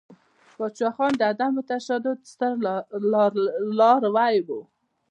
پاچاخان د عدم تشدد ستر لاروی ؤ.